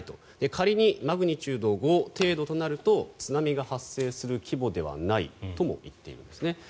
仮にマグニチュード５程度となると津波が発生する規模ではないとも言っていますね。